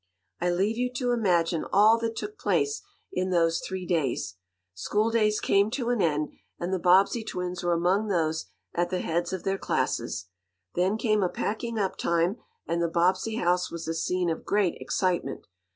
I leave you to imagine all that took place in those three days. Schooldays came to an end, and the Bobbsey twins were among those at the heads of their classes. Then came a packing up time, and the Bobbsey house was a scene of great excitement.